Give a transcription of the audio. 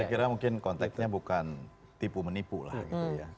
saya kira mungkin konteksnya bukan tipu menipu lah gitu ya